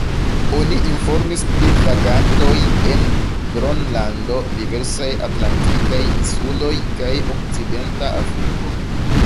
Oni informis pri vagantoj en Gronlando, diversaj atlantikaj insuloj kaj Okcidenta Afriko.